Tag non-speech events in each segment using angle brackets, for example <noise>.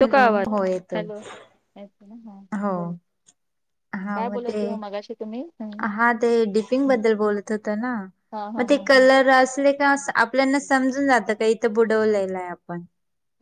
येतो का हॅलो, आवाज? हो येतोय. हॅलो येतो ना हा हो बोल, हा काय मग बोलत ते तुम्ही मगाशी तुम्ही. हा ते डिपिंग बद्दल बोलत होतो ना, हा हा मग ते हा हा कलर असले तेवास आपल्याना समजून जातं. का इथं बुडवलेलंय आपण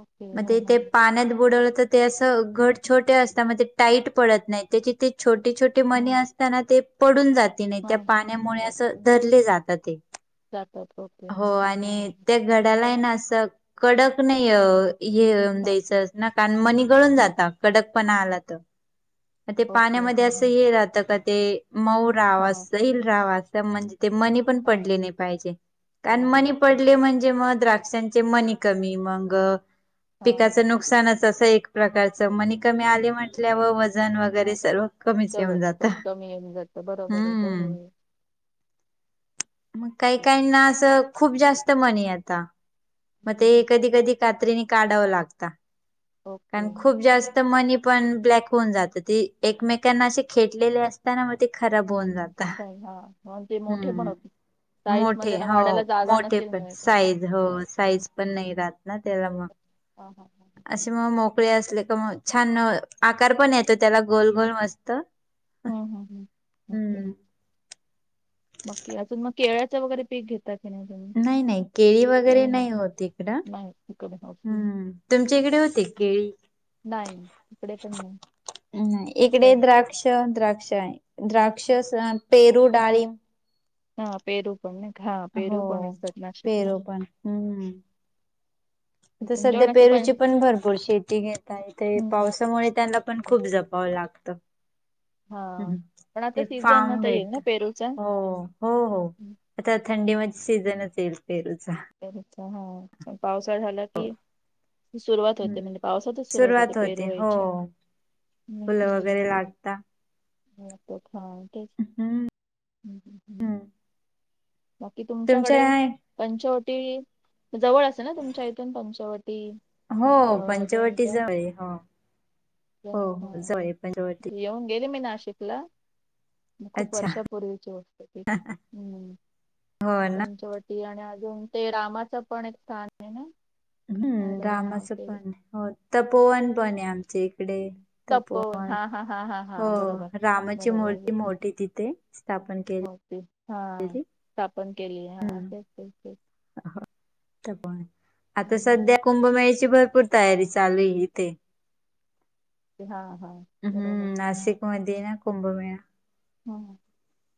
ओके मग हा हा तेथे पाण्यात बुडवलं त तें असं घट छोटे असता म्हणजे टाईट पडत नाही त्याची ते छोटी छो ते हा मणी असताना ते पडून जाते नाही त्या हा पाण्यामुळे असं धरले जातं ते. जातात ओके हो हा हा हा आणि तेत गडाला आहे ना असं कडक नाही हेऊ हा द्यायचं. ना काण मनी गळून हं जाता, कडक पण आला त ते ओके पाण्यामध्ये हा असं हा हे रातं का ते मऊ हा राहावा सैल राहावा असं म्हण ते मनी पण हा पडले नाही पाहिजे. कारण पाहिजे मणी ओके पडले म्हण मध द्राक्षांचे मनी कमी मग, हा पिकाच नुकसानच असं एक प्रकारचं ओके मनी कमी आले म्हटल्याव वजन वगैरे हा सर्व कमीच सगळं येेऊन जातं. कम- कमी येऊन जातं बरोबर आहे. हो हो हो मग काही काहीना असं खूप जास्त मनी येता. म ते कधी कधी कात्रीने काढाव लागता. ओके कारण खूप जास् मनी पण ब्लॅक होऊन जातं ते एकमेकांना असे खेटलेले असताना ते खराब हा होऊन जाता. हो, हा मग ते मोठे पण हम्म, होते साईज मोठे मध्ये ना हो वाढायला जागा मोठे नसेल पण मिळत साईज हो साईज पण नाही राहत ना त्याला मग अ ह ह ह, असे मग मोकळे असले का मग छान आकार पण येतो त्याला गोल गोल मस्त ह ह ह, ओके. हम्म बाकी अजून मग केळ्याच वगैरे पीक घेत नाही नाही, केळी वगैरे नाही होत इकडं. नाही इकडे ओके. हम्म तुमच्या इकडे होते केळी? नाही इकडे पण नाही. ह, या इकडे साईड द्राक्ष द्राक्ष आहे. द्राक्ष <unintelligible> पेरू, डाळींब हा पेरू पण नाही खा, हा हो पेरू पण असतात नाशिक ला. पेरू पण संध्या पेरूची पण भरपूर शेती घेताये. ते हम्म पावसामुळे त्याला पण खूप जपावं लागतं. हा पण आता ते सीझन फार्म आता येईल वेत. ना पेरूचा? हो. हो हो. हम्म. आता थंडी मध्ये सीझनच येईल पेरूचा. पेरुचा हा प पावसाळा झाला की, सुरुवात हम्म होते, म्हणजे पावसातच सुरुवात होते पेरू व्हायची. हम् फुलं हम्, वगैरे लागता <unintelligible> तेच <unintelligible> ह हं हं, हम्म बाकी तुमच्या तुमच्याकडे पंचवटी जवळ असेर ना तुमच्या इथून पंचवटी. हो पंचवटी दोनच्या जवळ हो दोन हो हजार दोन- हा जवळ पंचवटी. येऊन गेले मी नाशिकला, खूप अच्छा वर्षापूर्वीची गोष्टय ती. हम्. हो ना पंचवटी आणि अजून ते रामाचं पण एक स्थान आहे ना. काय हम्म बरं नाव रामाचं ते पण हो तपोवन पण आहे आमच्या इकडे. तपोवन, हा हा हा हा हा हो बरोबर रामाची बरोबर मूर्ती इथे मोठी तिथे स्थापन केलीय. मूर्ती हा स्थापन केली हा तेच तेच तेच. आता हम्म सध्या कुंभमेळीची भरपूर तयारी चालूय इथे. ते- हा हा बरोबर हम्म नाशिक मध्येय ना कुंभमेळा. हं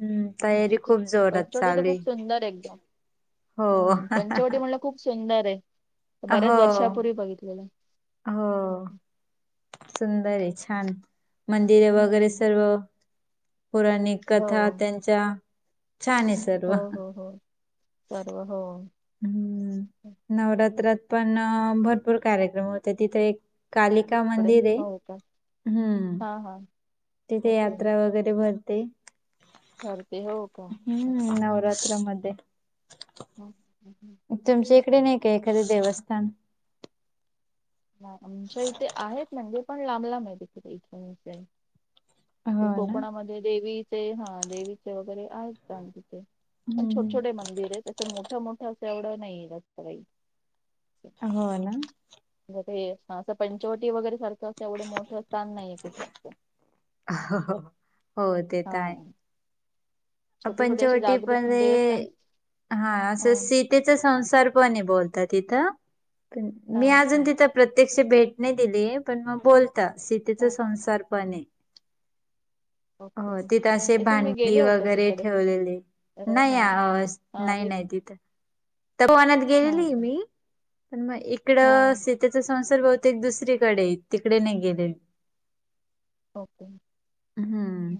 हम्म तयारी हं खूप जोरात पंचवटी तर चालू आहे. खूप सुंदर एकदम. हो हम्म, पंचवटी म्हणलं खूप सुंदरय बऱ्याच हो वर्षापूर्वी बघितलेलं. हो सुंदरय छानय. मंदिरे वगैरे हम्म सर्व पुराणिक कथा हो त्यांच्या. छानय सर्व. हो हो हो सर्व हो. हम्म नवरात्रात पण भरपूर कार्यक्रम होतात तिथे एक कालिका इकडे मंदिरय हो का हम्म. हा हा. तिथे ओके यात्रा वगैरे भरते ठरते हो का ओके हम्म नवरा त्रमधे. मंग. तुमच्या इकडे नाही काय एखादे देवस्थान? आमच्या इथे आहेत म्हणजे पण लांब लांब आहेत तिकडे. <unintelligible> हो ना कोकणामध्ये देवीचे हा देवीचे वगैरे आहेत चाग तिथे. पण छोटे हम्म छोटे मंदिरयत तसं मोठं मोठं असं एवढं नाही रस्तई हो ना. हे असं पंचवटी वगैरे सारखं असत एवढे मोठं स्थान नाहीये कुठे. हा हा हो ते तर आहे. हा छोटे छोटे असे पंचवटी जागृत पण ये देवस्थान हा असं सीट तिचं संसार पण बोलत तिथं हा मी अजून अच्छा तिथं प्रत्यक्ष भेट नाही दिली पण मग बोलता सीतेचा हा संसार पणय ओके हो तिथं असे आय थिंक मी भांडी गेले होते वगैरे तिकडे ठेवलेले. अ नाही हा आ हा नाही मी नाही तिथं त्या वनात हा गेलेली मी पण मग इकड हा सि तिचा संसार बहुतेक दुसरीकडे तिकडे नाही गेले ओके. हम्म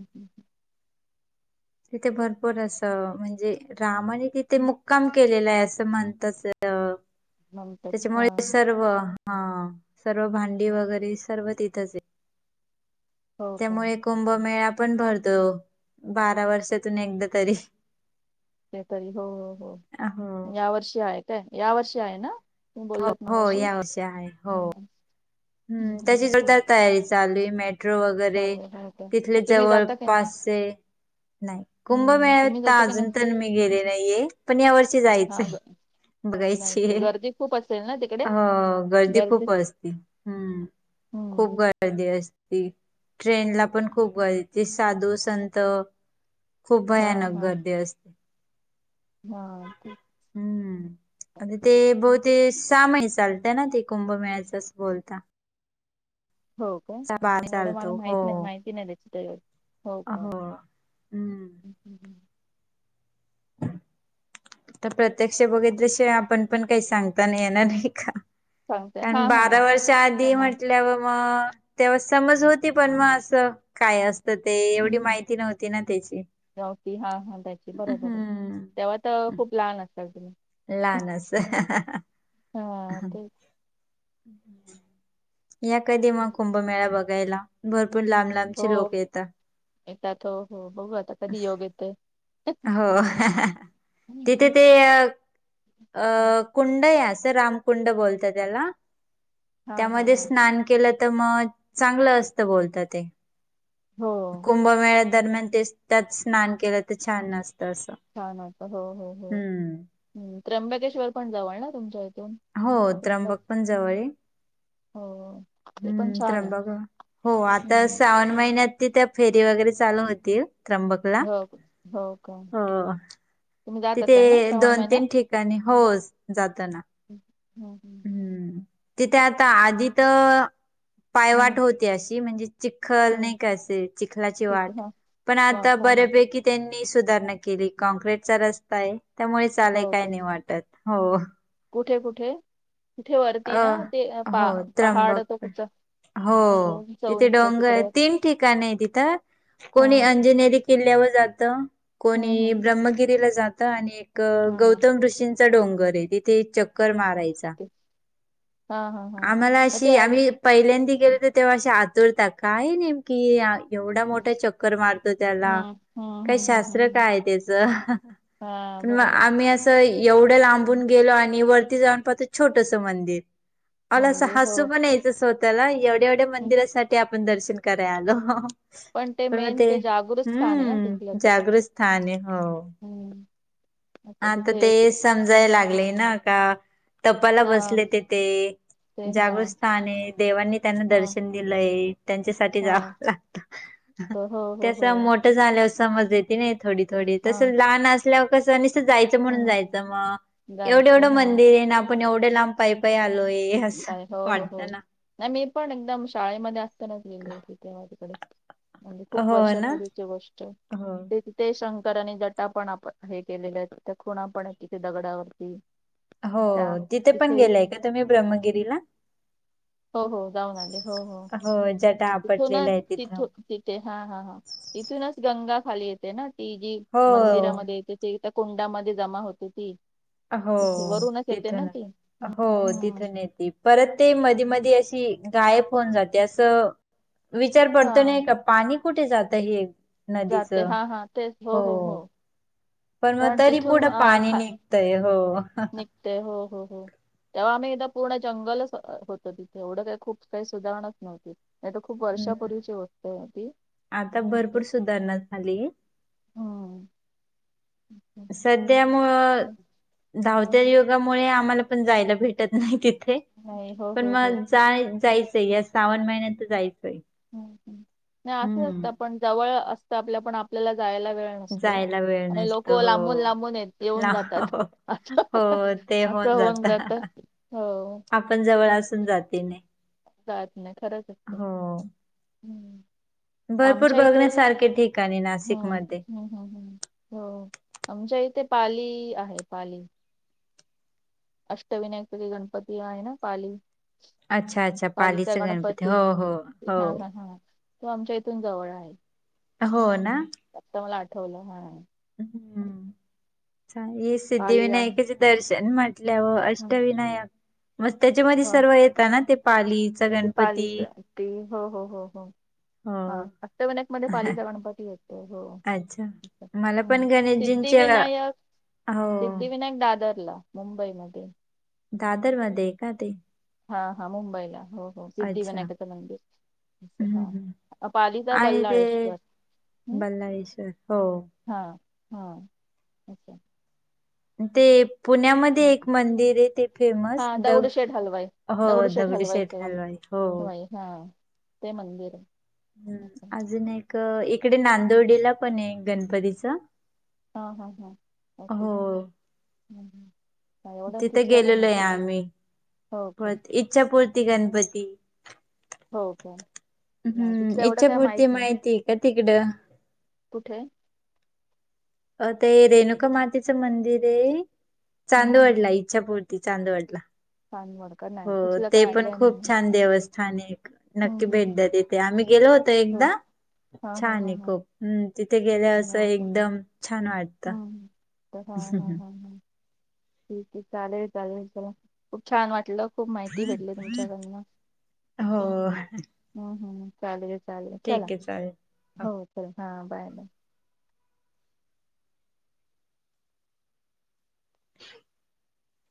तिथे भरपूर असं म्हणजे रामाने तिथे मुक्काम केलेलंय असं म्हणतात अं म्हणतात हा त्याच्यामुळे सर्व हा सर्व भांडी वगैरे सर्व तिथेचय. हो का त्यामुळे ओके कुंभमेळा पण भरतो बारा वर्षातून एकदा तरी. तरी हो हो या वर्षी आहे काय या वर्षी आहे ना. तुम्ही हो बोललात हो मगाशी या वर्षी आहे हो हम्म, हम् हम्म, हम्म, त्याची हम्म. जोरदार तयारी चालूय मे ट्रो वगैरे चालेल हो का तिथले मग तुम्ही जवळ जाता की नाही पासे नाही. हम्म, तुम्ही कुंभमेळवता जाता की अजून नाही तर मी गेले नाहीये पण या वर्षी हा जायचंय. बघायची आहे. जायचं गर्दी खूप असेल ना तिकडे गर्दी खूप असती. हम्म <inaudible> खूप गर्दी असती. ट्रेन ला पण खूप गर्दी साधू, संत. खूप हा भयानक हा गर्दी असते. हा ते- हम्म. आणि ते बहत ते शहामही चालत ना ते कुंभमेळा्याच अस बोलता. हो का? चा बार एवढं मला चालतो हो माहिती नाही माहिती नाही द्याच त्याढ. हो का? हम्म. <inaudible> तर प्रत्यक्ष बघितलं आपण पण काही सांगताना येणार. नाही का? सांगते कारण हा हा बारा वर्ष नाही, आधी मा- म्हटल्यावर मग तेव्हा समज हो ती पण मग असं काय असत ते हम्म एवढी हम्म. माहिती नव्हती ना त्याची. गावठी हा हा त्याची बरोबर आहे. हम्. तेव्हा तर खूप लहान असतान तुम्ही. लहानचं. हा ते. <inaudible> या कधी मग हम्म हम्म. कुंभमेळा बघायला भरपूर लांब लांबचे हो लोक येतात. येतात. हो हो बघू आता कधी योग येतोय. हो. तिथे ते अ अ कुंड आहे असं रामकुंड बोलत त्याला. हा हा त्यामध्ये हा स्नान केलं तर मग चांगलं असतं बोलत ते. हो कुंभमेळ्या दरम्यान ते त्यात स्नान केलं तर छान नसत असं. छान असतं. हो हो हम्म हो. त्र्यंबकेश्वर पण जवळ ना तुमच्या इथून. हो. त्र्यंबक पण जवळी हे. हो. ते पण हम्म. छान आहे. त्र्यंबक. हो आता हम्म श्रावण महिन्यात तिथ फेरी वगैरे चालू होतील. त्र्यबक हो का? हो का? तुम्ही जात तिथे असाल ना श्रावण दोन महिन्यात? तीन ठिकाणी. हो जातो ना. हम् हम् हम्म. तिथे आता आधी तर पायवाट हम्म होते अशी म्हणजे? चिखल हम्म नाही कसे चिखलाची तिथे वाट हा पण आता वाट हा हा बऱ्यापैकी त्यांनी सुधारणा केली कॉँक्र्रीटचा रस्ता आहे त्यामुळे चालय हो काय का नाही वाटत. हो. कुठे? कुठे? कुठे? वरती अ ना ते पा हो पहाड त्र्यंबक तो पण. कु हो. तिथे डोंगर तीन ठिकाण आहे तिथं. हा कोणी अंजनेरी किल्ल्यावर जात. कोणी हम्म हम्म ब्रह्मगिरीला जात आणि एक हा गौतम ऋषीं डोंगर आहे तिथे चक्कर मारायचा. ते हा हा हा <inaudible> पहिल्यांदी गेले तर तेव्हा असे आतुरतात काय नेमके हे? एवढा हम्म मोठा चक्कर मारतो त्याला हम्म काय हम्म शास्त्र काय आहे त्याच? हां बरोबर‌. एवढं लांबून गेलो आणि वरती जाऊन पाहतो छोटस मंदिर. अनं अस म्हणजे हो हसू पण यायचं स्वतः ला एवढ्या एवढ्या हम्म. मंदिरासाठी आपण दर्शन कराय आलो. पण मग मेन ते जागृत स्थान आहे ना हम्म जागृत स्थान आहे. हो.. ह हा तर ते समजायला लागले ना का तपाला हा बसले ते ते. ते हा जागृत स्थान आहे देवांनी त्यांना हा दर्शन दिलंय, त्यांच्यासाठी जावं लागतं. हो हो हो हो मोठ झाल्यावर समज येते नाही थोडी तर, थोडी, हा तसं लहान असल्यावर कस जायच म्हणून हम्म जायचं मग एवढं जायचं एवढं हा मंदिर आहे ना आपण एवढं लांब पाई पाई आलोय. असं काय हो हो वाटतं हो ना नाही मी पण एकदम शाळेमध्ये असतानाच गेले होते तेव्हा तिकडे. म्हणजे खूप हो ना वर्षापूर्वीची गोष्ट. हो ते शंकरानी जटा पण आप हे केलेले आहेत तिथ खुणा पण आहे तिथे दगडावरती. हो तिथे पण गेलाय का तुम्ही ब्रह्मगिरीला? हो हो जाऊन आले, हो हो हो <inaudible> पुन्हा आहे ती तिथं ना <unintelligible> हा हा हा तिथूनच गंगा खाली येते ना ती जी हो मंदिरामध्ये येते. ते कुंडामध्ये जमा होते ती, हो तिथे वरूनच येते ना तिथून ती. हो हम्म हम्म तिथून येते परत ते मधी मधी अशी गायब होऊन जाते असं विचार पडतो हा नाही का पाणी कुठे जात हे. नदीच जाते हा हा तेच हो, हो हो पण मग कारण तरी पुढं पाणी निघतय हो. निघतय हो हो हो. तेव्हा आम्ही एकदा पूर्ण जंगलच होत तिथे एवढं काही खूप काही सुधारणाच नव्हती. नाही आता खूप हम्म वर्षापूर्वीची गोष्ट होती. आता भरपूर सुधारणा झाली हम्म सध्यामुळ धावत्या युग आम्हाला पण जायला भेटत नाही तिथे, नाही हो पण हो हो मग जाय जायचंय या श्रावण महिन्यात जायचंय. हम्म नाही असंच असतं हम्म पण जवळ असतं आपल्या पण आपल्याला जायला मिळत नाय. नसतो जायला वेळ आणि लोक नसतो लांबून हो लांबून येऊन जातात. लांब अच्छा! असं होऊन जात. आपण जवळ असून जाते‌. जात नाही खरंच असते. हम्म भरपूर आमच्या इथे बघण्यासारखे ठिकाणी हम्म नाशिकमध्ये हम्म हम्म हो आमच्या इथे पाली आहे पाली. अष्टविनायक मध्ये गणपती आहे ना पाली. अच्छा अच्छा पालिचा पालीचं गणपती, हो हो हो हा हा हा तो आमच्या इथून जवळ आहे. हो ना आता मला आठवलं हा. हम्म चांगली पाली आहे. सिद्धिविनायक चे दर्शन ल्याव हं, अष्टविनायक. मग त्यांच्यामध्ये हो. सर्व येतात ना ते पालीचा गणपती. ते हो हो हो हो हो हा अष्टविनायकमध्ये पालीचा गणपती येतो हो. अच्छा मला पण हम् गणेशजींच्या सिद्धिविनायक हो सिद्धिविनायक दादरला मुंबईमध्ये दादर मध्ये आहे का ते हा हा मुंबईला हो हो अच्छा सिद्धिविनायकच मंदिर हम्म हम्म हा पालीचा आणि ते बल्लाळेश्वर बल्लाळेश्वर हो हां हां अच्छा ते पुण्यामध्ये एक मंदिर आहे ते फेमस हा द दगडूशेठ हलवाई हो हलवाईच दगडूशेठ हलवाई हो हलवाई हा ते मंदिर आहे. हम् असं. अजून एक इकडे नांदोडीला पण आहे गणपतीच हां हां हां ओके हो हम्म हम्म एवढं तिथे तिथलं नाही गेलेलो आहे माहिती मला आम्ही हो का परत इच्छापूर्ती गणपती हो का नाही हम्म तिथलं एवढं काय इच्छापूर्ती माहित नाही माहितीय का तिकडं? कुठे? अ ते रेणुका मातेच मंदिर आहे हम्म, चांदवडला इच्छापुर्ती चांदवडला चांदवड हो ते पण खूप छान देव- -स्थान आहे. हम्म, नक्की हम्म, भेट हम्म. द्या तिथे आम्ही गेलो होतो हो एकदा हा हा छान हा आहे हा खूप. हम्म तिथे गेल्यावर असं एकदम छान वाटत. ह तर हां हां ह ह ठीक आहे चालेल चालेल चला खूप छान वाटलं. खूप माहिती भेटली तुमच्याकडन ओके. हो. हम्म हम्म ह चालेल चालेल चला ठीक आहे चालेल. हो हो हां बाय बाय <inaudible>